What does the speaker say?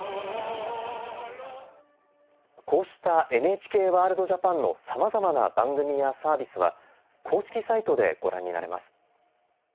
こうした「ＮＨＫワールドＪＡＰＡＮ」のさまざまな番組やサービスは公式サイトでご覧になれます。